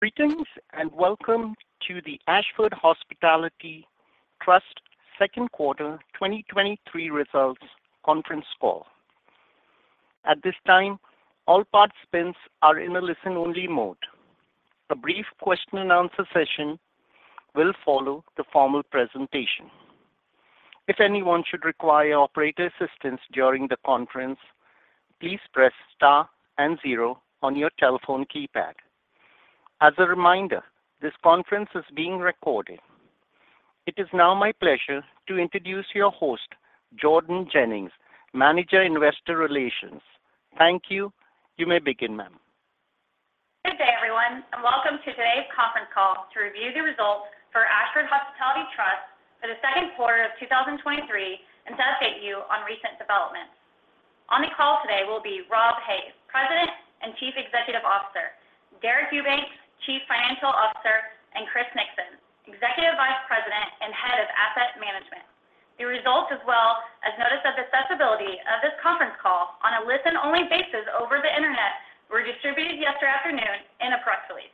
Greetings, and welcome to the Ashford Hospitality Trust second quarter 2023 results conference call. At this time, all participants are in a listen-only mode. A brief question-and-answer session will follow the formal presentation. If anyone should require operator assistance during the conference, please press star zero on your telephone keypad. As a reminder, this conference is being recorded. It is now my pleasure to introduce your host, Jordan Jennings, Manager, Investor Relations. Thank you. You may begin, ma'am. Good day, everyone. Welcome to today's conference call to review the results for Ashford Hospitality Trust for the second quarter of 2023, and to update you on recent developments. On the call today will be Rob Hays, President and Chief Executive Officer, Deric Eubanks, Chief Financial Officer, and Chris Nixon, Executive Vice President and Head of Asset Management. The results, as well as notice of accessibility of this conference call on a listen-only basis over the Internet, were distributed yesterday afternoon in a press release.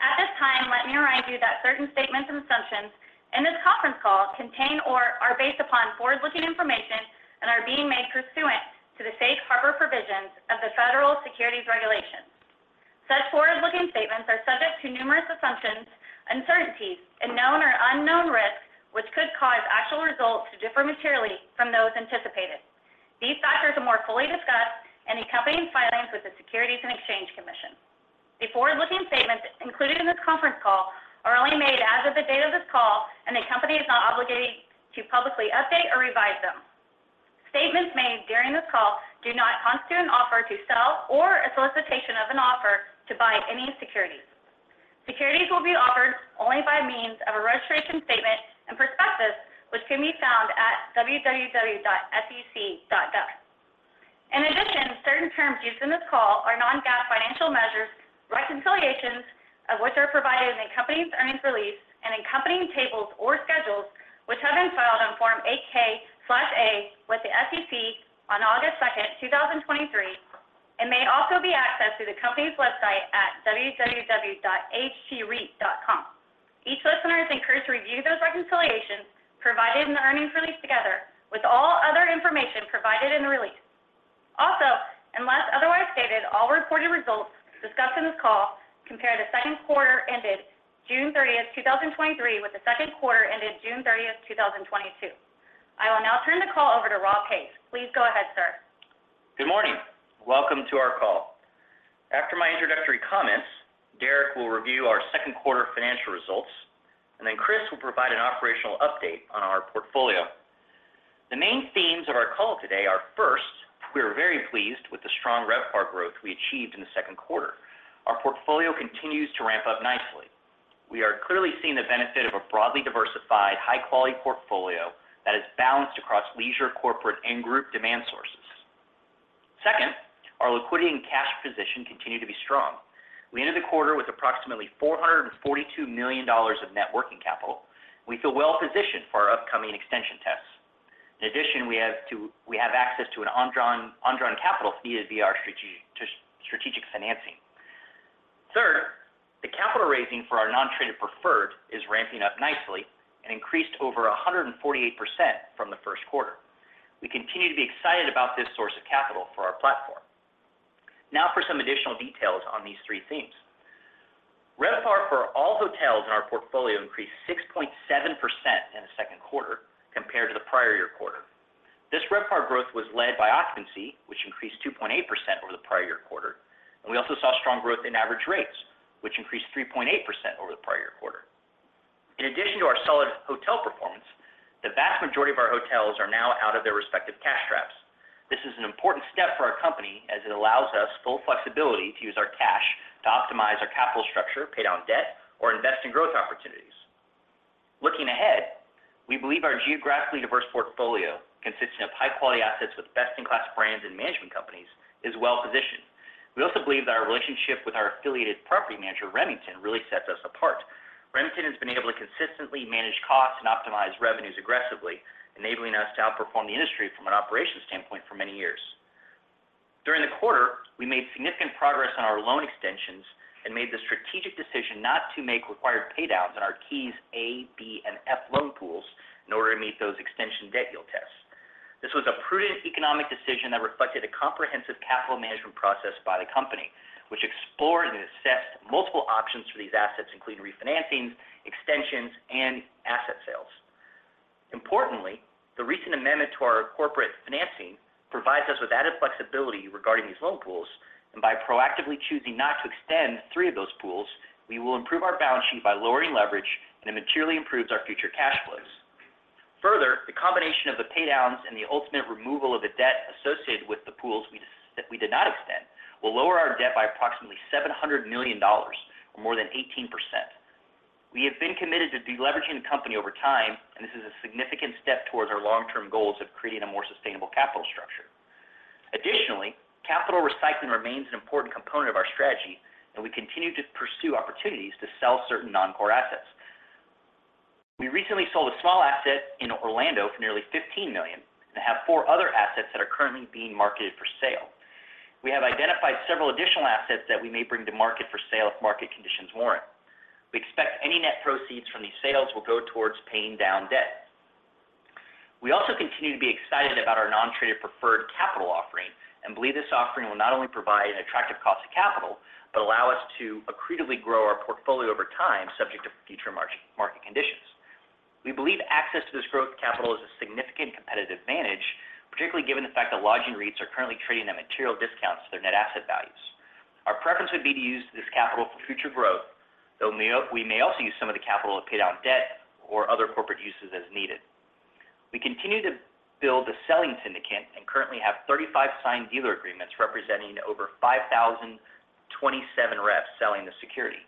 At this time, let me remind you that certain statements and assumptions in this conference call contain or are based upon forward-looking information and are being made pursuant to the Safe Harbor provisions of the Federal Securities Regulations. Such forward-looking statements are subject to numerous assumptions, uncertainties, and known or unknown risks, which could cause actual results to differ materially from those anticipated. These factors are more fully discussed in the accompanying filings with the Securities and Exchange Commission. The forward-looking statements included in this conference call are only made as of the date of this call. The Company is not obligated to publicly update or revise them. Statements made during this call do not constitute an offer to sell or a solicitation of an offer to buy any securities. Securities will be offered only by means of a registration statement and prospectus, which can be found at www.sec.gov. In addition, certain terms used in this call are non-GAAP financial measures, reconciliations of which are provided in the Company's earnings release and accompanying tables or schedules, which have been filed on Form 8-K/A with the SEC on August 2, 2023, and may also be accessed through the Company's website at www.ahtreit.com. Each listener is encouraged to review those reconciliations provided in the earnings release together with all other information provided in the release. Also, unless otherwise stated, all reported results discussed in this call compare the second quarter ended June 30, 2023, with the second quarter ended June 30, 2022. I will now turn the call over to Rob Hays. Please go ahead, sir. Good morning. Welcome to our call. After my introductory comments, Deric will review our second quarter financial results, and then Chris will provide an operational update on our portfolio. The main themes of our call today are, first, we are very pleased with the strong RevPAR growth we achieved in the second quarter. Our portfolio continues to ramp up nicely. We are clearly seeing the benefit of a broadly diversified, high-quality portfolio that is balanced across leisure, corporate, and group demand sources. Second, our liquidity and cash position continue to be strong. We ended the quarter with approximately $442 million of net working capital. We feel well positioned for our upcoming extension tests. In addition, we have access to an undrawn capital, if needed, via our strategic financing. Third, the capital raising for our non-traded preferred is ramping up nicely and increased over 148% from the first quarter. We continue to be excited about this source of capital for our platform. For some additional details on these three themes. RevPAR for all hotels in our portfolio increased 6.7% in the second quarter compared to the prior year quarter. This RevPAR growth was led by occupancy, which increased 2.8% over the prior year quarter. We also saw strong growth in average rates, which increased 3.8% over the prior year quarter. In addition to our solid hotel performance, the vast majority of our hotels are now out of their respective cash traps. This is an important step for our company as it allows us full flexibility to use our cash to optimize our capital structure, pay down debt, or invest in growth opportunities. Looking ahead, we believe our geographically diverse portfolio, consisting of high-quality assets with best-in-class brands and management companies, is well positioned. We also believe that our relationship with our affiliated property manager, Remington, really sets us apart. Remington has been able to consistently manage costs and optimize revenues aggressively, enabling us to outperform the industry from an operations standpoint for many years. During the quarter, we made significant progress on our loan extensions and made the strategic decision not to make required paydowns on our KEYS A, B, and F loan pools in order to meet those extension debt yield tests. This was a prudent economic decision that reflected a comprehensive capital management process by the Company, which explored and assessed multiple options for these assets, including refinancings, extensions, and asset sales. Importantly, the recent amendment to our corporate financing provides us with added flexibility regarding these loan pools, and by proactively choosing not to extend three of those pools, we will improve our balance sheet by lowering leverage, which will materially improve our future cash flows. Further, the combination of the paydowns and the ultimate removal of the debt associated with the pools that we did not extend, will lower our debt by approximately $700 million or more than 18%. We have been committed to deleveraging the Company over time, and this is a significant step towards our long-term goals of creating a more sustainable capital structure. Additionally, capital recycling remains an important component of our strategy, and we continue to pursue opportunities to sell certain non-core assets. We recently sold a small asset in Orlando for nearly $15 million, and have four other assets that are currently being marketed for sale. We have identified several additional assets that we may bring to market for sale if market conditions warrant. We expect any net proceeds from these sales will go towards paying down debt. We also continue to be excited about our non-traded preferred capital offering, and believe this offering will not only provide an attractive cost of capital, but allow us to accretively grow our portfolio over time, subject to future market conditions. We believe access to this growth capital is a significant competitive advantage, particularly given the fact that lodging REITs are currently trading at material discounts to their net asset values. Our preference would be to use this capital for future growth, though we may also use some of the capital to pay down debt or other corporate uses as needed. We continue to build a selling syndicate and currently have 35 signed dealer agreements, representing over 5,027 representatives selling the security.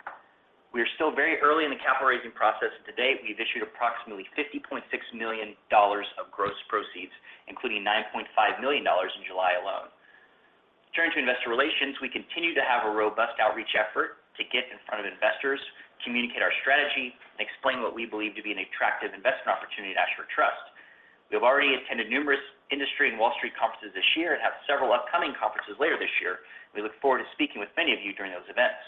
We are still very early in the capital raising process, and to date, we've issued approximately $50.6 million of gross proceeds, including $9.5 million in July alone. Turning to investor relations, we continue to have a robust outreach effort to get in front of investors, communicate our strategy, and explain what we believe to be an attractive investment opportunity at Ashford Trust. We have already attended numerous industry and Wall Street conferences this year, and have several upcoming conferences later this year. We look forward to speaking with many of you during those events.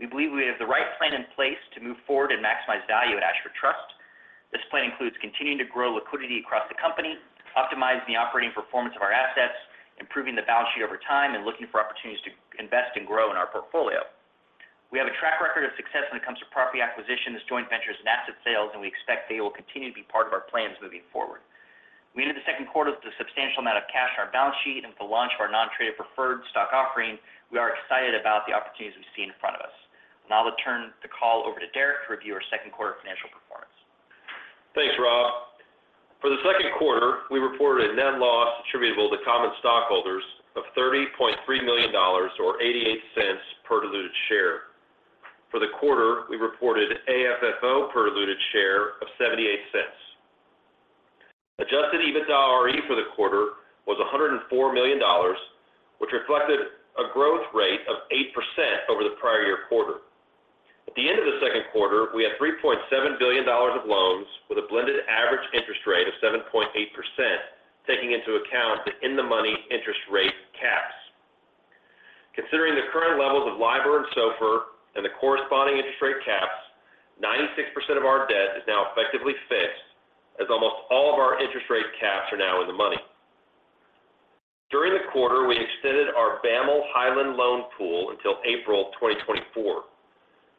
We believe we have the right plan in place to move forward and maximize value at Ashford Trust. This plan includes continuing to grow liquidity across the Company, optimizing the operating performance of our assets, improving the balance sheet over time, and looking for opportunities to invest and grow in our portfolio. We have a track record of success when it comes to property acquisitions, joint ventures, and asset sales, and we expect they will continue to be part of our plans moving forward. We ended the second quarter with a substantial amount of cash on our balance sheet and with the launch of our non-traded preferred stock offering, we are excited about the opportunities we see in front of us. Now I'll turn the call over to Deric to review our second quarter financial performance. Thanks, Rob. For the second quarter, we reported a net loss attributable to common stockholders of $30.3 million, or $0.88 per diluted share. For the quarter, we reported AFFO per diluted share of $0.78. Adjusted EBITDAre for the quarter was $104 million, which reflected a growth rate of 8% over the prior year quarter. At the end of the second quarter, we had $3.7 billion of loans with a blended average interest rate of 7.8%, taking into account the in-the-money interest rate caps. Considering the current levels of LIBOR and SOFR and the corresponding interest rate caps, 96% of our debt is now effectively fixed, as almost all of our interest rate caps are now in the money. During the quarter, we extended our BAML Highland loan pool until April 2024.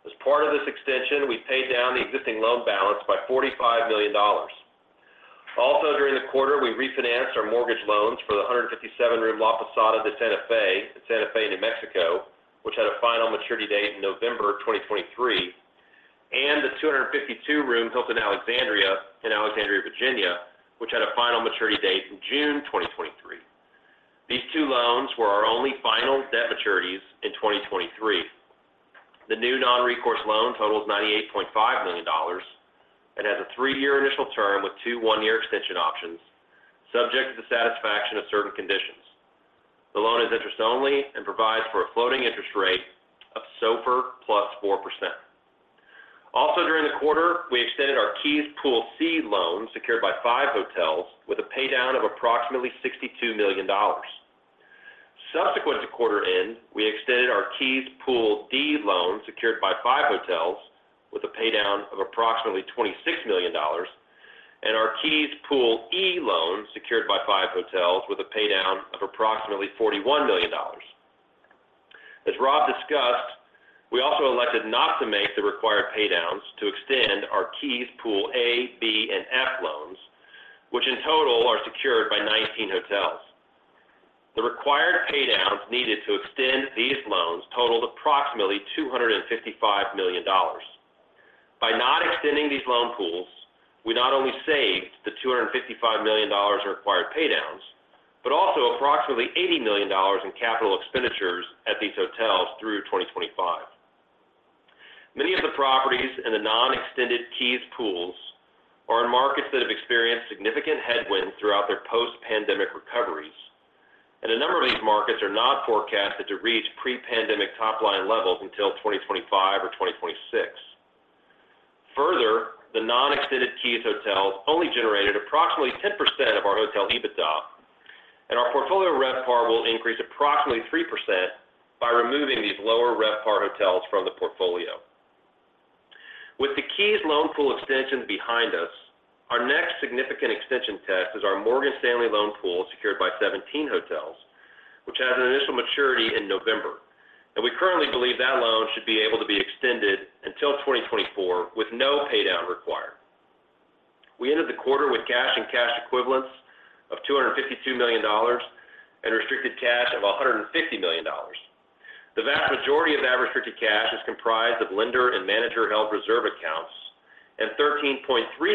As part of this extension, we paid down the existing loan balance by $45 million. Also, during the quarter, we refinanced our mortgage loans for the 157-room La Posada de Santa Fe in Santa Fe, New Mexico, which had a final maturity date in November 2023, and the 252-room Hilton Alexandria in Alexandria, Virginia, which had a final maturity date in June 2023. These two loans were our only final debt maturities in 2023. The new non-recourse loan totals $98.5 million and has a three-year initial term with two one-year extension options, subject to the satisfaction of certain conditions. The loan is interest-only and provides for a floating interest rate of SOFR plus 4%. During the quarter, we extended our KEYS Pool C loan, secured by five hotels, with a paydown of approximately $62 million. Subsequent to quarter end, we extended our KEYS Pool D loan, secured by five hotels, with a paydown of approximately $26 million, and our KEYS Pool E loan, secured by five hotels, with a paydown of approximately $41 million. As Rob discussed, we also elected not to make the required paydowns to extend our KEYS Pool A, B, and F loans, which in total are secured by 19 hotels. The required paydowns needed to extend these loans totaled approximately $255 million. By not extending these loan pools, we not only saved the $255 million in required paydowns, but also approximately $80 million in CapEx at these hotels through 2025. Many of the properties in the non-extended KEYS pools are in markets that have experienced significant headwinds throughout their post-pandemic recoveries. A number of these markets are not forecasted to reach pre-pandemic top-line levels until 2025 or 2026. Further, the non-extended KEYS hotels only generated approximately 10% of our hotel EBITDA. Our portfolio RevPAR will increase approximately 3% by removing these lower RevPAR hotels from the portfolio. With the KEYS loan pool extension behind us, our next significant extension test is our Morgan Stanley loan pool, secured by 17 hotels, which has an initial maturity in November. We currently believe that loan should be able to be extended until 2024 with no paydown required. We ended the quarter with cash and cash equivalents of $252 million and restricted cash of $150 million. The vast majority of that restricted cash is comprised of lender and manager-held reserve accounts, $13.3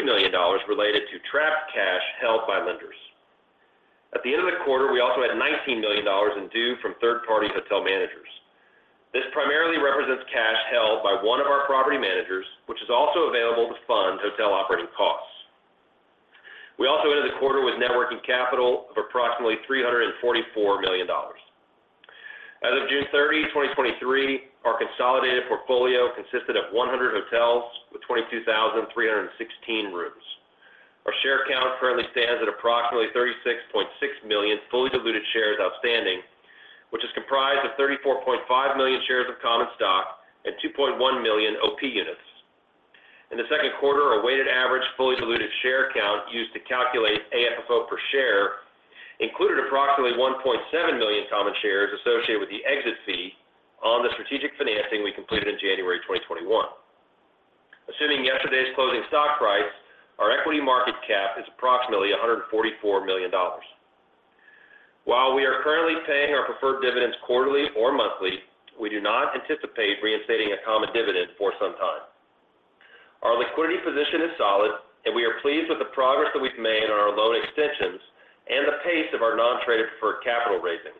million related to trapped cash held by lenders. At the end of the quarter, we also had $19 million in due from third-party hotel managers. This primarily represents cash held by one of our property managers, which is also available to fund hotel operating costs. We also ended the quarter with net working capital of approximately $344 million. As of June 30, 2023, our consolidated portfolio consisted of 100 hotels with 22,316 rooms. Our share count currently stands at approximately 36.6 million fully diluted shares outstanding, which is comprised of 34.5 million shares of common stock and 2.1 million OP units. In the second quarter, our weighted average, fully diluted share count used to calculate AFFO per share, included approximately 1.7 million common shares associated with the exit fee on the strategic financing we completed in January 2021. Assuming yesterday's closing stock price, our equity market cap is approximately $144 million. While we are currently paying our preferred dividends quarterly or monthly, we do not anticipate reinstating a common dividend for some time. Our liquidity position is solid, and we are pleased with the progress that we've made on our loan extensions and the pace of our non-traded preferred capital raising.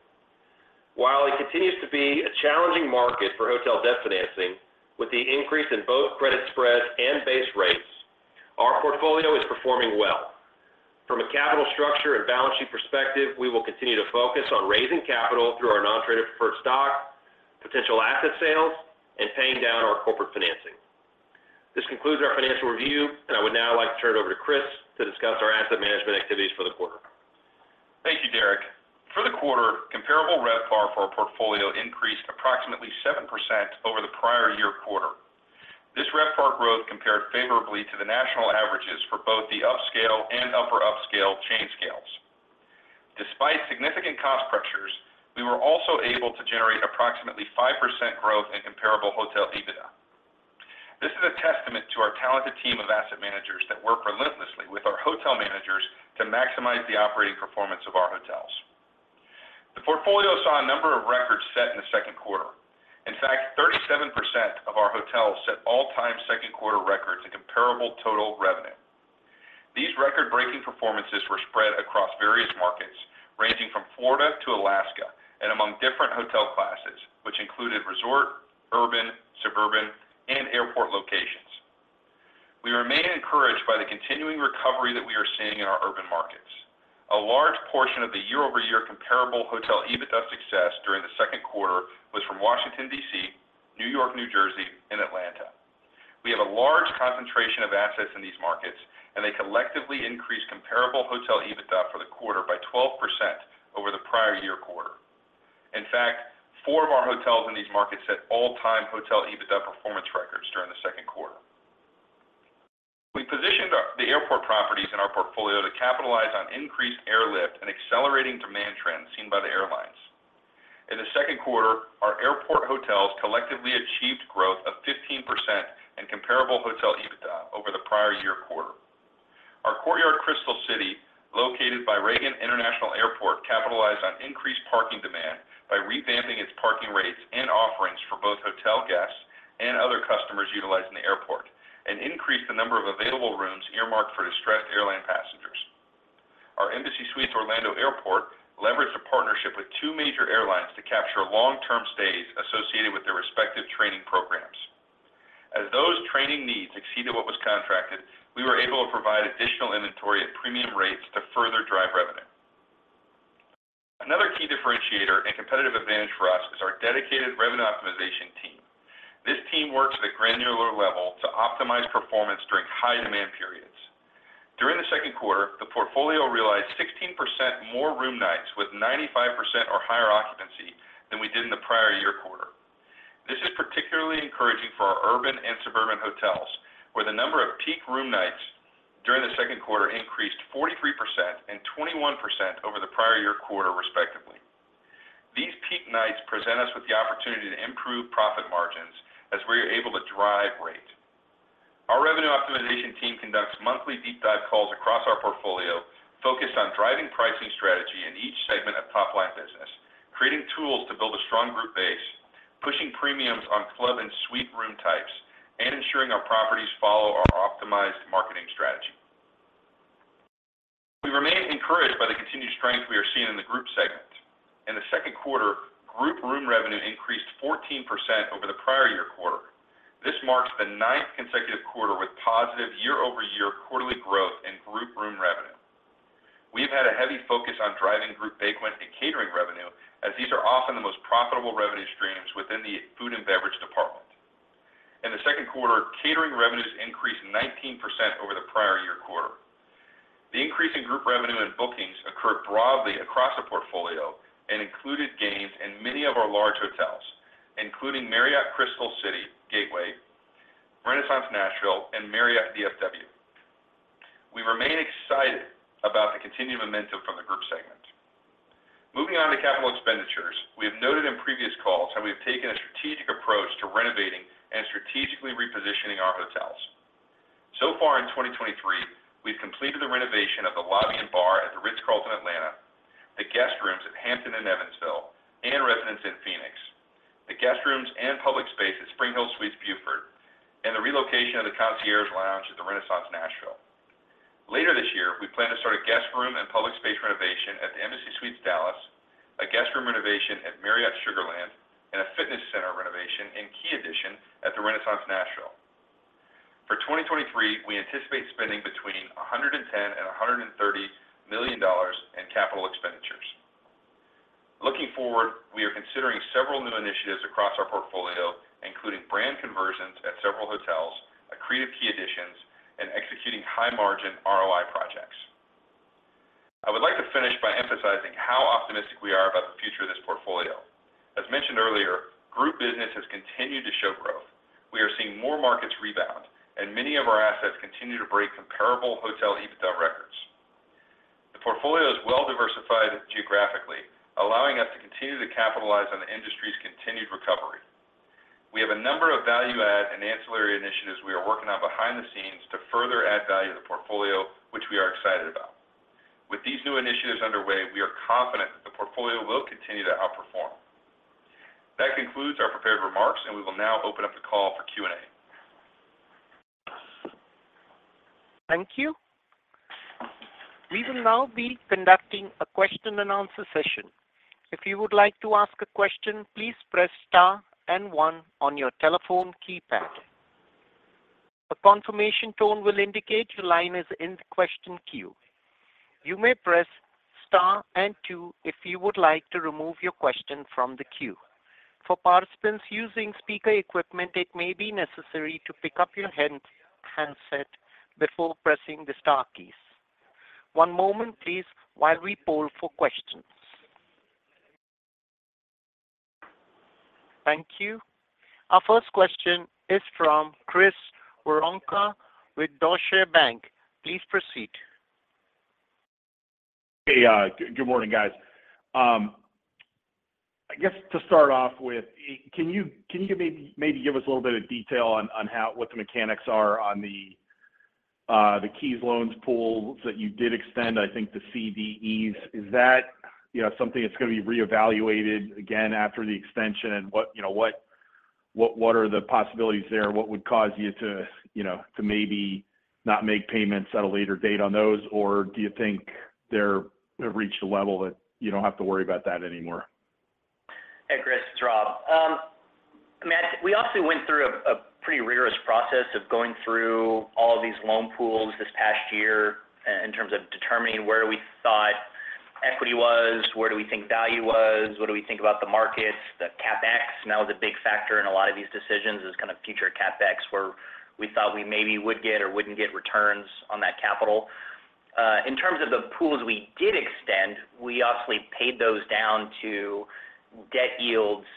While it continues to be a challenging market for hotel debt financing, with the increase in both credit spreads and base rates, our portfolio is performing well. From a capital structure and balance sheet perspective, we will continue to focus on raising capital through our non-traded preferred stock, potential asset sales, and paying down our corporate financing. This concludes our financial review, and I would now like to turn it over to Chris to discuss our asset management activities for the quarter. Thank you, Deric. For the quarter, comparable RevPAR for our portfolio increased approximately 7% over the prior year quarter. This RevPAR growth compared favorably to the national averages for both the upscale and upper upscale chain scales. Despite significant cost pressures, we were also able to generate approximately 5% growth in comparable hotel EBITDA. This is a testament to our talented team of asset managers that work relentlessly with our hotel managers to maximize the operating performance of our hotels. The portfolio saw a number of records set in the second quarter. In fact, 37% of our hotels set all-time second-quarter records in comparable total revenue. These record-breaking performances were spread across various markets, ranging from Florida to Alaska, and among different hotel classes, which included resort, urban, suburban, and airport locations. We remain encouraged by the continuing recovery that we are seeing in our urban markets. A large portion of the year-over-year comparable hotel EBITDA success during the second quarter was from Washington, D.C., New York, New Jersey, and Atlanta. We have a large concentration of assets in these markets, and they collectively increased comparable hotel EBITDA for the quarter by 12% over the prior year quarter. In fact, four of our hotels in these markets set all-time hotel EBITDA performance records during the second quarter. We positioned the airport properties in our portfolio to capitalize on increased airlift and accelerating demand trends seen by the airlines. In the second quarter, our airport hotels collectively achieved growth of 15% in comparable hotel EBITDA over the prior year quarter. Our Courtyard Crystal City, located by Reagan National Airport, capitalized on increased parking demand by revamping its parking rates and offerings for both hotel guests and other customers utilizing the airport, and increased the number of available rooms earmarked for distressed airline passengers. Our Embassy Suites Orlando Airport leveraged a partnership with two major airlines to capture long-term stays associated with their respective training programs. As those training needs exceeded what was contracted, we were able to provide additional inventory at premium rates to further drive revenue. Another key differentiator and competitive advantage for us is our dedicated revenue optimization team. This team works at a granular level to optimize performance during high-demand periods. During the second quarter, the portfolio realized 16% more room nights with 95% or higher occupancy than we did in the prior year quarter. This is particularly encouraging for our urban and suburban hotels, where the number of peak room nights during the second quarter increased 43% and 21% over the prior year quarter, respectively. These peak nights present us with the opportunity to improve profit margins as we are able to drive rate. Our revenue optimization team conducts monthly deep dive calls across our portfolio, focused on driving pricing strategy in each segment of top-line business, creating tools to build a strong group base, pushing premiums on club and suite room types, and ensuring our properties follow our optimized marketing strategy. We remain encouraged by the continued strength we are seeing in the group segment. In the second quarter, group room revenue increased 14% over the prior year quarter. This marks the ninth consecutive quarter with positive year-over-year quarterly growth in group room revenue. We've had a heavy focus on driving group banquet and catering revenue, as these are often the most profitable revenue streams within the food and beverage department. In the second quarter, catering revenues increased 19% over the prior year quarter. The increase in group revenue and bookings occurred broadly across the portfolio and included gains in many of our large hotels, including Marriott Crystal Gateway, Renaissance Nashville Hotel, and Marriott DFW. We remain excited about the continued momentum from the group segment. Moving on to capital expenditures, we have noted in previous calls how we have taken a strategic approach to renovating and strategically repositioning our hotels. Far in 2023, we've completed the renovation of the lobby and bar at The Ritz-Carlton, Atlanta, the guest rooms at Hampton Inn Evansville, and Residence Inn Phoenix, the guest rooms and public space at SpringHill Suites Buford, and the relocation of the concierge lounge at the Renaissance Nashville. Later this year, we plan to start a guest room and public space renovation at the Embassy Suites Dallas. For 2023, we anticipate spending between $110 million and $130 million in capital expenditures. Looking forward, we are considering several new initiatives across our portfolio, including brand conversions at several hotels, accretive key additions, and executing high margin ROI projects. I would like to finish by emphasizing how optimistic we are about the future of this portfolio. As mentioned earlier, group business has continued to show growth. We are seeing more markets rebound, and many of our assets continue to break comparable hotel EBITDA records. The portfolio is well diversified geographically, allowing us to continue to capitalize on the industry's continued recovery. We have a number of value add and ancillary initiatives we are working on behind the scenes to further add value to the portfolio, which we are excited about. With these new initiatives underway, we are confident that the portfolio will continue to outperform. That concludes our prepared remarks, and we will now open up the call for Q&A. Thank you. We will now be conducting a question-and-answer session. If you would like to ask a question, please press star and one on your telephone keypad. A confirmation tone will indicate your line is in the question queue. You may press star and two, if you would like to remove your question from the queue. For participants using speaker equipment, it may be necessary to pick up your handset before pressing the star keys. One moment please, while we poll for questions. Thank you. Our first question is from Chris Woronka with Deutsche Bank. Please proceed. Hey, good morning, guys. I guess to start off with, can you, can you maybe, maybe give us a little bit of detail on, on what the mechanics are on the KEYS loans pool that you did extend, I think, to CDEs? Is that, you know, something that's going to be reevaluated again after the extension? What, you know, what, what, what are the possibilities there? What would cause you to, you know, to maybe not make payments at a later date on those? Do you think they're, they've reached a level that you don't have to worry about that anymore? Hey, Chris, it's Rob. I mean, we obviously went through a pretty rigorous process of going through all of these loan pools this past year in terms of determining where we thought equity was, where do we think value was, what do we think about the markets, the CapEx. Now, the big factor in a lot of these decisions is kind of future CapEx, where we thought we maybe would get or wouldn't get returns on that capital. In terms of the pools we did extend, we obviously paid those down to debt yields.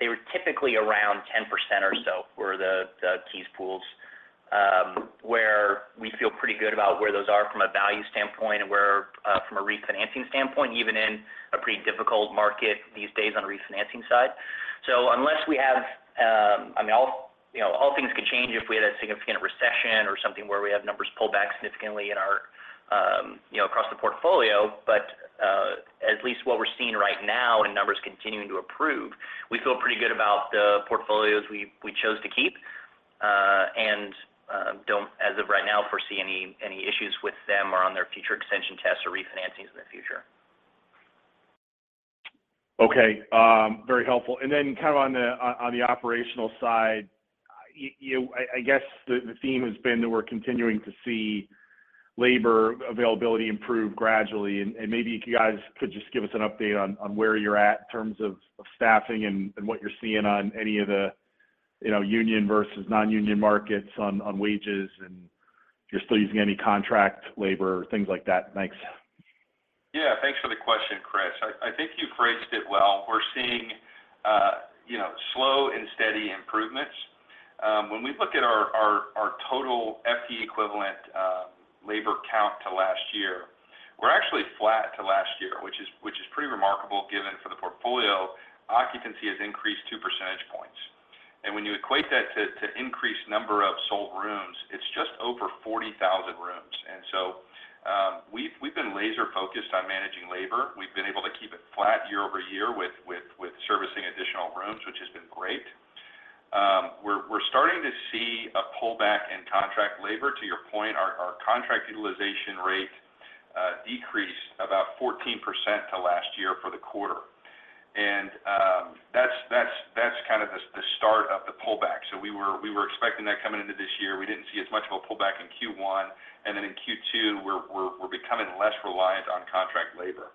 They were typically around 10% or so, were the KEYS pools, where we feel pretty good about where those are from a value standpoint and where from a refinancing standpoint, even in a pretty difficult market these days on the refinancing side. Unless we have. I mean, all, you know, all things could change if we had a significant recession or something where we have numbers pull back significantly in our, you know, across the portfolio. At least what we're seeing right now, and numbers continuing to improve, we feel pretty good about the portfolios we, we chose to keep, and don't, as of right now, foresee any, any issues with them or on their future extension tests or refinancings in the future. Okay, very helpful. Then kind of on the, on, on the operational side, I, I guess the, the theme has been that we're continuing to see labor availability improve gradually. Maybe if you guys could just give us an update on, on where you're at in terms of, of staffing and, and what you're seeing on any of the, you know, union versus non-union markets on, on wages, and if you're still using any contract labor, things like that. Thanks. Yeah, thanks for the question, Chris. I, I think you phrased it well. We're seeing, you know, slow and steady improvements. When we look at our, our, our total FTE equivalent, labor count to last year, we're actually flat to last year, which is, which is pretty remarkable, given for the portfolio, occupancy has increased 2 percentage points. When you equate that to, to increased number of sold rooms, it's just over 40,000 rooms. We've, we've been laser-focused on managing labor. We've been able to keep it flat year-over-year with, with, with servicing additional rooms, which has been great. We're, we're starting to see a pullback in contract labor. To your point, our, our contract utilization rate, decreased about 14% to last year for the quarter. That's kind of the start of the pullback. We were expecting that coming into this year. We didn't see as much of a pullback in Q1. In Q2, we're becoming less reliant on contract labor,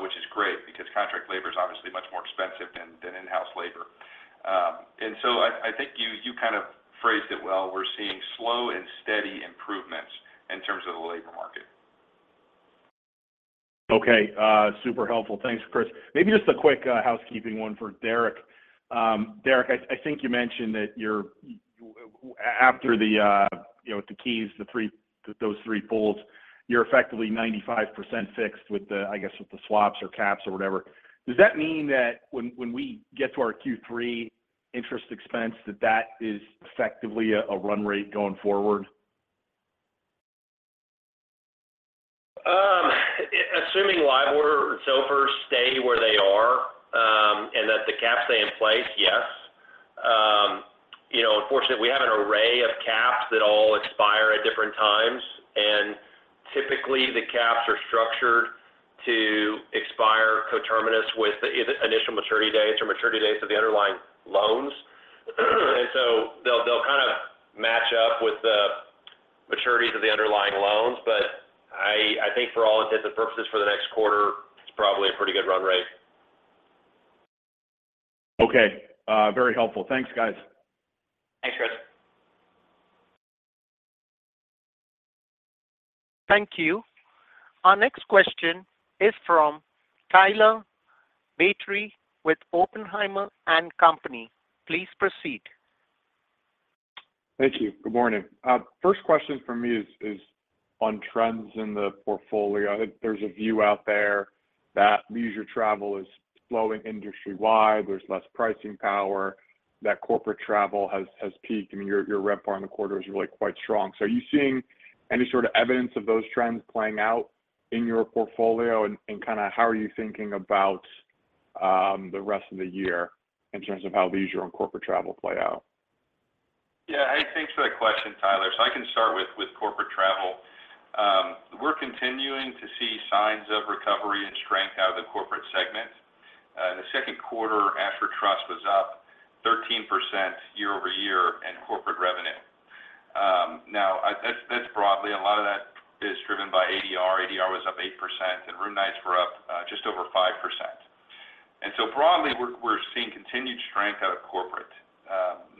which is great, because contract labor is obviously much more expensive than in-house labor. I think you kind of phrased it well. We're seeing slow and steady improvements in terms of the labor market. Okay, super helpful. Thanks, Chris. Maybe just a quick housekeeping one for Deric. Deric, I, I think you mentioned that you're after the, you know, with the KEYS, those three pools, you're effectively 95% fixed with the, I guess, with the swaps or caps or whatever. Does that mean that when, when we get to our Q3 interest expense, that that is effectively a run rate going forward? Assuming LIBOR and SOFR stay where they are, and that the caps stay in place, yes. You know, unfortunately, we have an array of caps that all expire at different times and typically, the caps are structured to expire coterminous with the initial maturity dates or maturity dates of the underlying loans. So they'll kind of match up with the maturities of the underlying loans, I think for all intents and purposes for the next quarter, it's probably a pretty good run rate. Okay. Very helpful. Thanks, guys. Thanks, Chris. Thank you. Our next question is from Tyler Batory with Oppenheimer and Company. Please proceed. Thank you. Good morning. First question from me is, is on trends in the portfolio. I think there's a view out there that leisure travel is slowing industry-wide, there's less pricing power, that corporate travel has, has peaked. I mean, your, your RevPAR in the quarter is really quite strong. Are you seeing any sort of evidence of those trends playing out in your portfolio? And kind of how are you thinking about the rest of the year in terms of how leisure and corporate travel play out? Yeah. Hey, thanks for that question, Tyler. I can start with, with corporate travel. We're continuing to see signs of recovery and strength out of the corporate segment. The second quarter, Ashford Trust was up 13% year-over-year in corporate revenue. Now, broadly. A lot of that is driven by ADR. ADR was up 8%, and room nights were up just over 5%. Broadly, we're seeing continued strength out of corporate.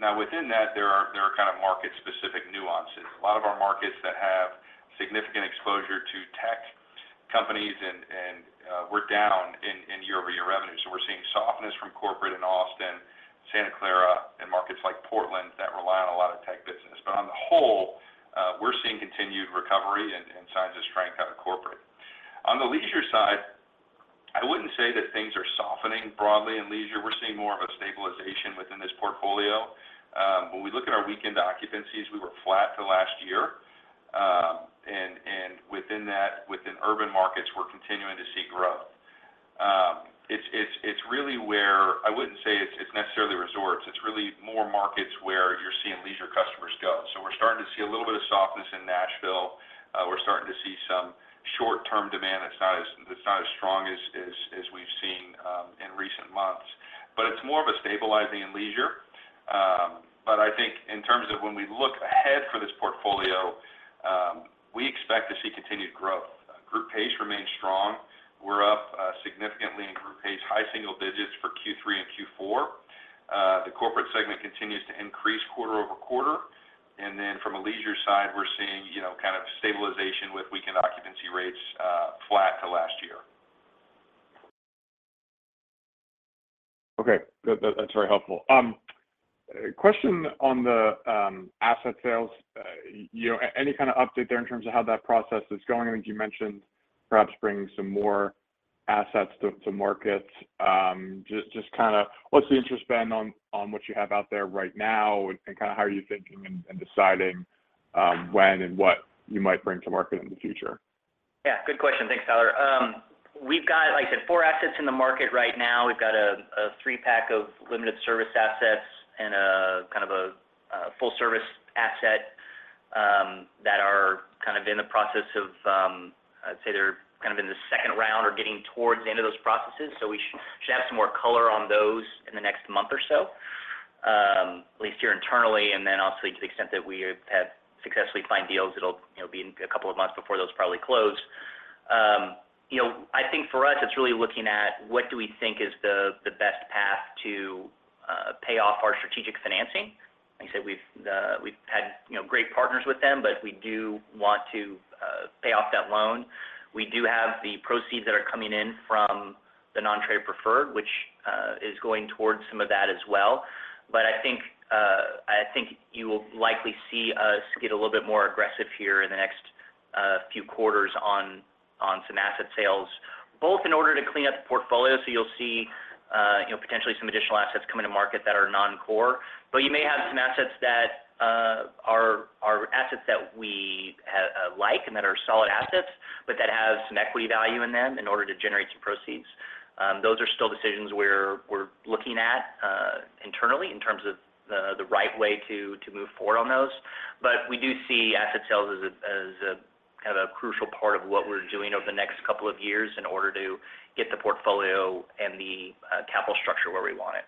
Now, within that, there are kind of market-specific nuances. A lot of our markets that have significant exposure to tech companies, we're down in year-over-year revenue. We're seeing softness from corporate in Austin, Santa Clara, and markets like Portland that rely on a lot of tech business. On the whole, we're seeing continued recovery and, and signs of strength out of corporate. On the leisure side, I wouldn't say that things are softening broadly in leisure. We're seeing more of a stabilization within this portfolio. When we look at our weekend occupancies, we were flat to last year. Within that, within urban markets, we're continuing to see growth. It's, it's, it's really where I wouldn't say it's, it's necessarily resorts, it's really more markets where you're seeing leisure customers go. We're starting to see a little bit of softness in Nashville. We're starting to see some short-term demand that's not as strong as, as, as we've seen in recent months. It's more of a stabilizing in leisure. I think in terms of when we look ahead for this portfolio, we expect to see continued growth. Group pace remains strong. We're up significantly in group pace, high single digits for Q3 and Q4. The corporate segment continues to increase quarter-over-quarter, and from a leisure side, we're seeing, you know, kind of stabilization with weekend occupancy rates, flat to last year. Okay. Good. That, that's very helpful. Question on the asset sales. You know, any kind of update there in terms of how that process is going? I think you mentioned perhaps bringing some more assets to, to market. Just, just kind of what's the interest spend on, on what you have out there right now, and, and kind of how are you thinking and, and deciding, when and what you might bring to market in the future? Yeah, good question. Thanks, Tyler. We've got, like I said, four assets in the market right now. We've got a three-pack of limited service assets and kind of a full-service asset that are kind of in the process of. I'd say they're kind of in the second round or getting towards the end of those processes. We should have some more color on those in the next month or so, at least here internally, and then also to the extent that we have successfully find deals, it'll, you know, be in a couple of months before those probably close. You know, I think for us, it's really looking at what do we think is the best path to pay off our strategic financing? Like I said, we've, we've had, you know, great partners with them, but we do want to pay off that loan. We do have the proceeds that are coming in from the non-traded preferred, which is going towards some of that as well. I think, I think you will likely see us get a little bit more aggressive here in the next few quarters on, on some asset sales, both in order to clean up the portfolio. You'll see, you know, potentially some additional assets come into market that are non-core. You may have some assets that are, are assets that we ha- like and that are solid assets, but that have some equity value in them in order to generate some proceeds. Those are still decisions we're, we're looking at, internally in terms of the, the right way to, to move forward on those. We do see asset sales as a, as a kind of crucial part of what we're doing over the next couple of years in order to get the portfolio and the, capital structure where we want it.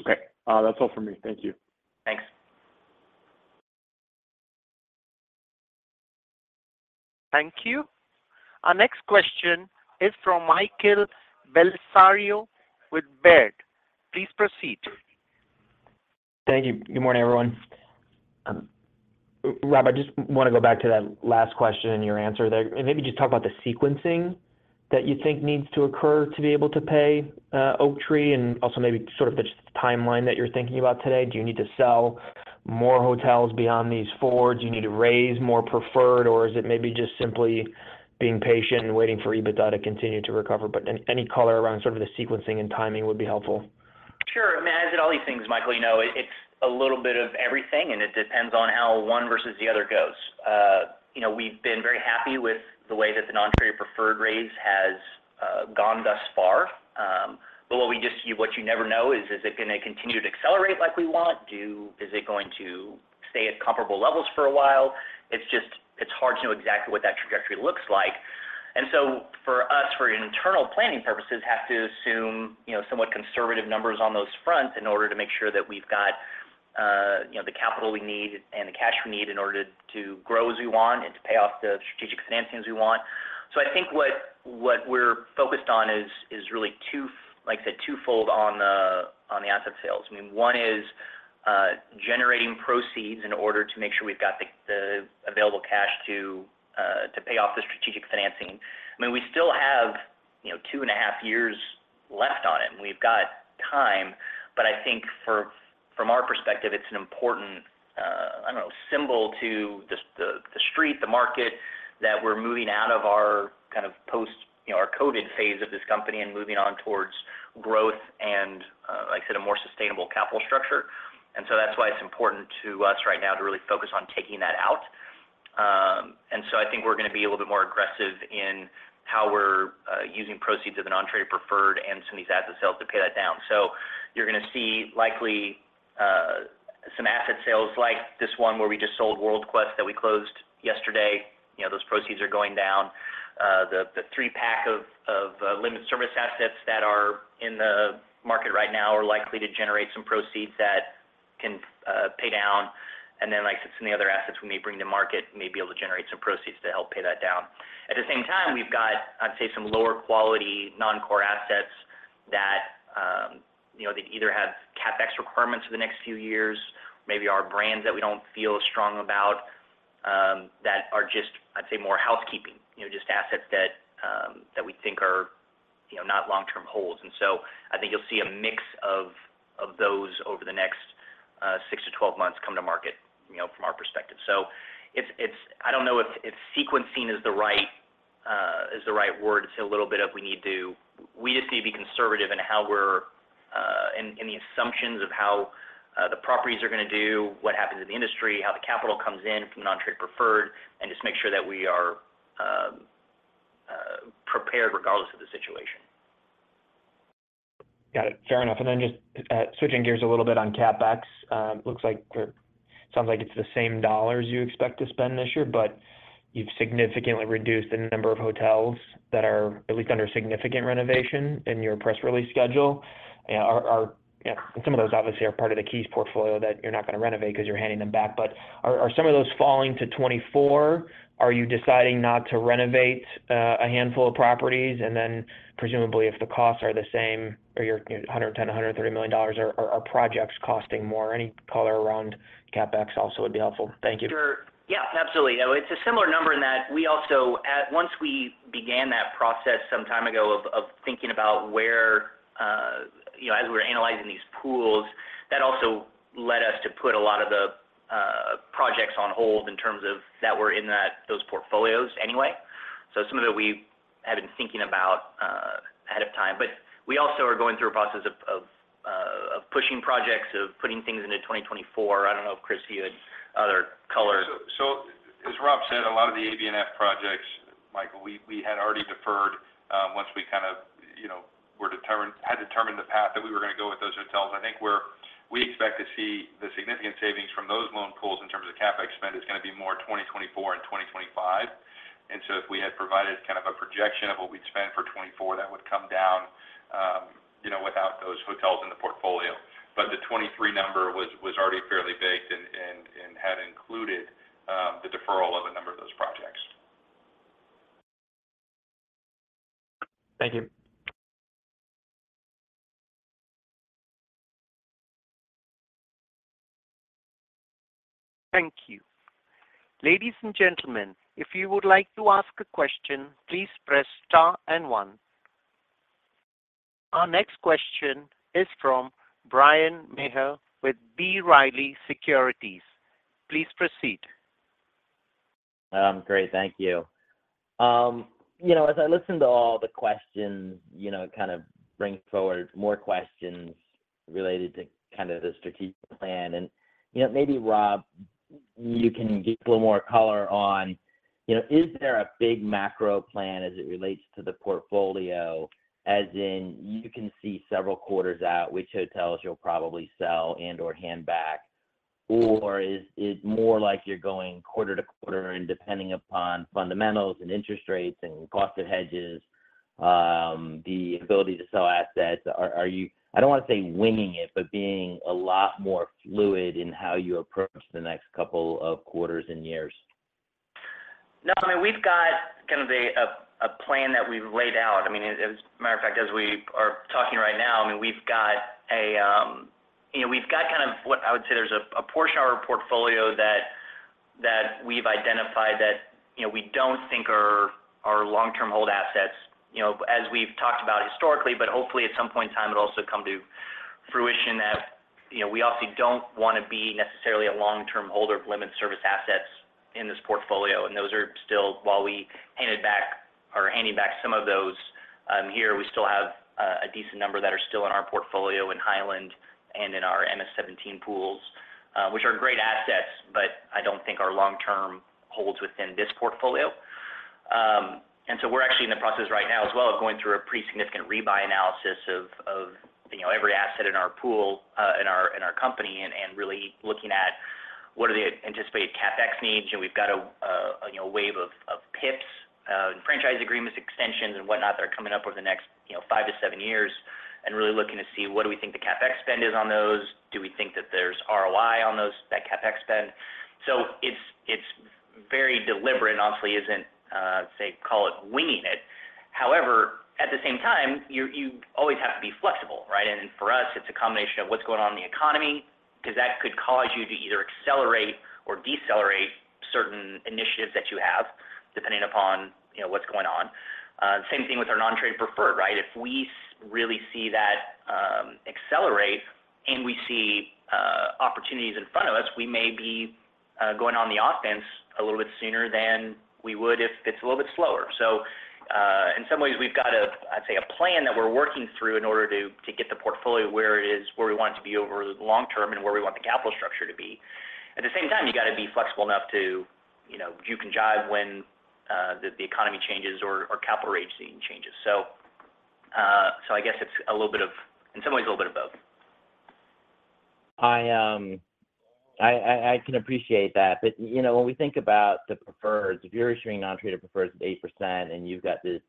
Okay. That's all for me. Thank you. Thanks. Thank you. Our next question is from Michael Bellisario with Baird. Please proceed. Thank you. Good morning, everyone. Rob, I just want to go back to that last question and your answer there, and maybe just talk about the sequencing that you think needs to occur to be able to pay Oaktree, and also maybe sort of the timeline that you're thinking about today. Do you need to sell more hotels beyond these four? Do you need to raise more preferred, or is it maybe just simply being patient and waiting for EBITDA to continue to recover? Any, any color around sort of the sequencing and timing would be helpful. Sure. I mean, as with all these things, Michael, you know, it's a little bit of everything, and it depends on how one versus the other goes. You know, we've been very happy with the way that the non-traded preferred raise has gone thus far, what you never know is, is it going to continue to accelerate like we want? Is it going to stay at comparable levels for a while? It's just, it's hard to know exactly what that trajectory looks like. So for us, for internal planning purposes, have to assume, you know, somewhat conservative numbers on those fronts in order to make sure that we've got, you know, the capital we need and the cash we need in order to, to grow as we want and to pay off the strategic financings we want. I think what, what we're focused on is, is really two, like I said, twofold on the, on the asset sales. I mean, one is generating proceeds in order to make sure we've got the, the available cash to pay off the strategic financing. I mean, we still have, you know, 2.5 years left on it, and we've got time, but I think from our perspective, it's an important, I don't know, symbol to the, the, the street, the market, that we're moving out of our kind of post, you know, our COVID phase of this company and moving on towards growth and, like I said, a more sustainable capital structure. That's why it's important to us right now to really focus on taking that out. I think we're going to be a little bit more aggressive in how we're using proceeds of the non-traded preferred and some of these asset sales to pay that down. You're going to see likely some asset sales like this one, where we just sold WorldQuest that we closed yesterday. You know, those proceeds are going down. The three-pack of limited service assets that are in the market right now are likely to generate some proceeds that can pay down. Like I said, some of the other assets we may bring to market may be able to generate some proceeds to help pay that down. At the same time, we've got, I'd say, some lower quality non-core assets that, you know, they either have CapEx requirements for the next few years, maybe are brands that we don't feel as strong about, that are just, I'd say, more housekeeping. You know, just assets that, that we think are, you know, not long-term holds. So I think you'll see a mix of, of those over the next 6 to 12 months come to market, you know, from our perspective. So it's, I don't know if, if sequencing is the right, is the right word. It's a little bit of we need to... We just need to be conservative in how we're in the assumptions of how the properties are going to do, what happens in the industry, how the capital comes in from non-traded preferred, and just make sure that we are prepared regardless of the situation. Got it. Fair enough. Then just switching gears a little bit on CapEx, looks like or sounds like it's the same dollars you expect to spend this year, but you've significantly reduced the number of hotels that are at least under significant renovation in your press release schedule. Are, you know, some of those obviously are part of the KEYS portfolio that you're not going to renovate because you're handing them back. Are some of those falling to 2024? Are you deciding not to renovate a handful of properties, and then presumably, if the costs are the same or you're $110 million-$130 million, are projects costing more? Any color around CapEx also would be helpful. Thank you. Sure. Yeah, absolutely. No, it's a similar number in that we also once we began that process some time ago of thinking about where, you know, as we were analyzing these pools, that also led us to put a lot of the projects on hold in terms of that were in that, those portfolios anyway. Some of it we had been thinking about ahead of time, we also are going through a process of pushing projects, of putting things into 2024. I don't know if, Chris, you had other color. As Rob said, a lot of the KEYS A, B, and F projects, Michael, we, we had already deferred, once we kind of, you know, had determined the path that we were going to go with those hotels. I think where we expect to see the significant savings from those loan pools in terms of the CapEx spend is going to be more 2024 and 2025. If we had provided kind of a projection of what we'd spend for 2024, that would come down, you know, without those hotels in the portfolio. The 2023 number was, was already fairly baked and, and, and had included the deferral of a number of those projects. Thank you. Thank you. Ladies and gentlemen, if you would like to ask a question, please press Star and One. Our next question is from Bryan Maher with B. Riley Securities. Please proceed. Great. Thank you. You know, as I listen to all the questions, you know, it kind of brings forward more questions related to kind of the strategic plan. You know, maybe, Rob, you can give a little more color on, you know, is there a big macro plan as it relates to the portfolio, as in you can see several quarters out which hotels you'll probably sell and/or hand back? Or is it more like you're going quarter to quarter and depending upon fundamentals and interest rates and cost of hedges, the ability to sell assets, are, are you, I don't want to say winging it, but being a lot more fluid in how you approach the next couple of quarters and years? No, I mean, we've got kind of a, a, a plan that we've laid out. I mean, as a matter of fact, as we are talking right now, I mean, we've got a, you know, we've got kind of what I would say there's a portion of our portfolio that, that we've identified that, you know, we don't think are long-term hold assets, you know, as we've talked about historically, but hopefully at some point in time, it'll also come to fruition that, you know, we also don't want to be necessarily a long-term holder of limited service assets in this portfolio. Those are still, while we handed back or handing back some of those here, we still have a decent number that are still in our portfolio in Highland and in our MS 17 pools, which are great assets, but I don't think are long-term holds within this portfolio. So we're actually in the process right now as well of going through a pretty significant rebuy analysis of, you know, every asset in our pool, in our company, and really looking at what are the anticipated CapEx needs. We've got a, you know, wave of PIPs, franchise agreements, extensions, and whatnot that are coming up over the next, you know, five to seven years, and really looking to see what do we think the CapEx spend is on those? Do we think that there's ROI on those, that CapEx spend? It's very deliberate, and honestly isn't, say, call it winging it. However, at the same time, you always have to be flexible, right? For us, it's a combination of what's going on in the economy, 'cause that could cause you to either accelerate or decelerate certain initiatives that you have, depending upon, you know, what's going on. Same thing with our non-trade preferred, right? If we really see that accelerate and we see opportunities in front of us, we may be going on the offense a little bit sooner than we would if it's a little bit slower. In some ways, we've got a, I'd say, a plan that we're working through in order to, to get the portfolio where it is, where we want it to be over the long term and where we want the capital structure to be. At the same time, you gotta be flexible enough to, you know, juke and jive when the economy changes or capital rate scene changes. I guess it's a little bit of in some ways, a little bit of both. I can appreciate that, but, you know, when we think about the preferred, if you're issuing non-traded preferred at 8%, and you've got this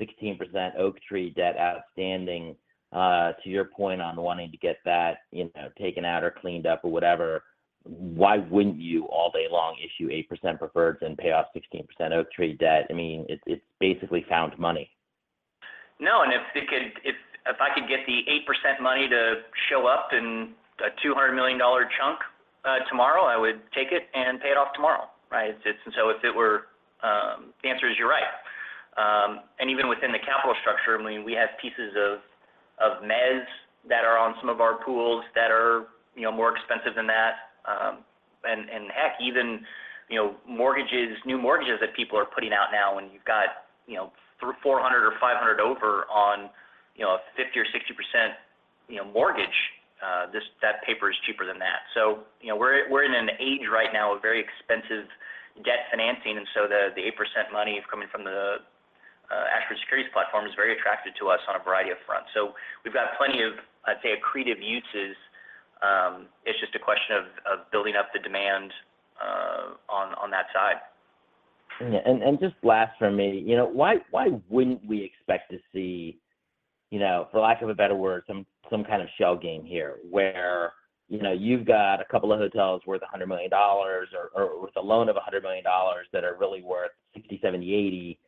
16% Oaktree debt outstanding, to your point on wanting to get that, you know, taken out or cleaned up or whatever, why wouldn't you, all day long, issue 8% preferred than pay off 16% Oaktree debt? I mean, it's, it's basically found money. No, if I could get the 8% money to show up in a $200 million chunk tomorrow, I would take it and pay it off tomorrow, right? The answer is, you're right. Even within the capital structure, I mean, we have pieces of mezz that are on some of our pools that are, you know, more expensive than that. And heck, even, you know, mortgages, new mortgages that people are putting out now, when you've got, you know, 400 or 500 over on, you know, a 50% or 60%, you know, mortgage, this, that paper is cheaper than that. You know, we're in an age right now of very expensive debt financing, and so the $8% money coming from the Ashford Securities platform is very attractive to us on a variety of fronts. We've got plenty of, I'd say, accretive uses. It's just a question of building up the demand on that side. Yeah, and, and just last for me, you know, why, why wouldn't we expect to see, you know, for lack of a better word, some, some kind of shell game here? Where, you know, you've got a couple of hotels worth $100 million or, or with a loan of $100 million that are really worth 60, 70, 80,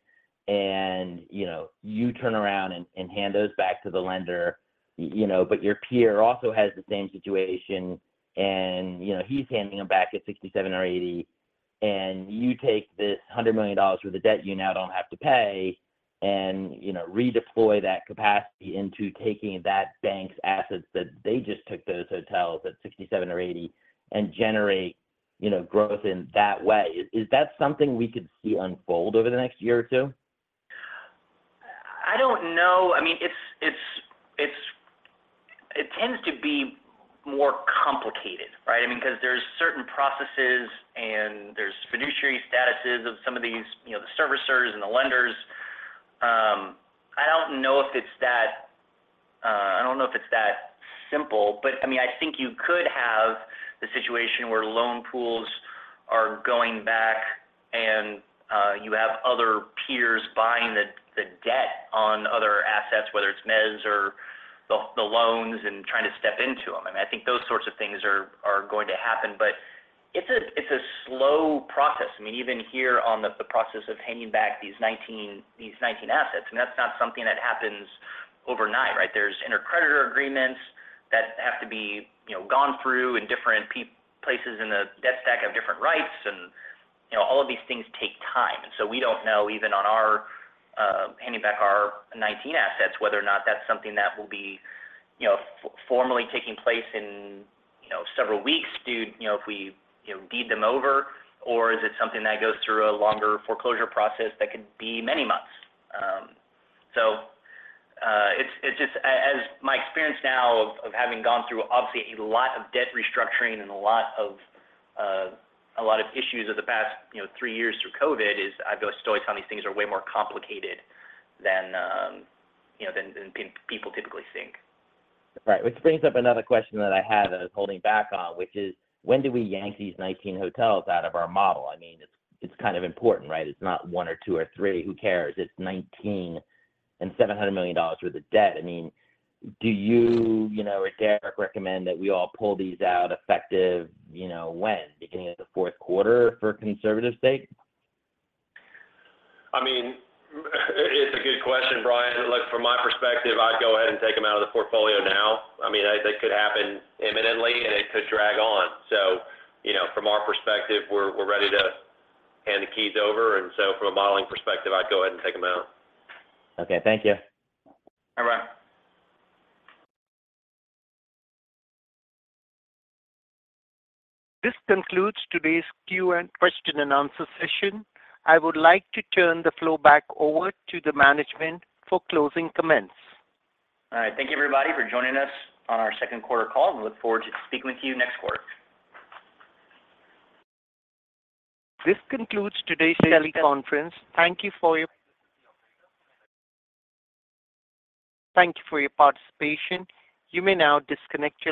and, you know, you turn around and, and hand those back to the lender, you know, but your peer also has the same situation, and, you know, he's handing them back at 67 or 80. You take this $100 million worth of debt you now don't have to pay and, you know, redeploy that capacity into taking that bank's assets, that they just took those hotels at 67 or 80 and generate, you know, growth in that way. Is that something we could see unfold over the next year or two? I don't know. I mean, it's It tends to be more complicated, right? I mean, 'cause there's certain processes and there's fiduciary statuses of some of these, you know, the servicers and the lenders. I don't know if it's that I don't know if it's that simple, but, I mean, I think you could have the situation where loan pools are going back and you have other peers buying the, the debt on other assets, whether it's mezz or the, the loans, and trying to step into them. I think those sorts of things are, are going to happen, but it's a, it's a slow process. I mean, even here on the, the process of handing back these 19, these 19 assets, and that's not something that happens overnight, right? There's intercreditor agreements that have to be, you know, gone through, and different places in the debt stack have different rights, and, you know, all of these things take time. We don't know, even on our, handing back our 19 assets, whether or not that's something that will be, you know, formally taking place in, you know, several weeks due, you know, if we, you know, deed them over, or is it something that goes through a longer foreclosure process that could be many months. It's, it's just as my experience now of, of having gone through, obviously, a lot of debt restructuring and a lot of issues over the past, you know, three years through COVID, is I've always told you some of these things are way more complicated than, you know, than people typically think. Right. Which brings up another question that I had that I was holding back on, which is: When do we yank these 19 hotels out of our model? I mean, it's, it's kind of important, right? It's not one or two or three, who cares? It's 19 and $700 million worth of debt. I mean, do you, you know, or Deric recommend that we all pull these out effective, you know, when? Beginning of the fourth quarter, for conservative sake? I mean, it's a good question, Bryan Maher. Look, from my perspective, I'd go ahead and take them out of the portfolio now. I mean, that could happen imminently, and it could drag on. From our perspective, we're ready to hand the keys over. From a modeling perspective, I'd go ahead and take them out. Okay, thank you. All right. This concludes today's question-and-answer session. I would like to turn the floor back over to the management for closing comments. All right. Thank you, everybody, for joining us on our second quarter call. We look forward to speaking with you next quarter. This concludes today's teleconference. Thank you for your participation. You may now disconnect.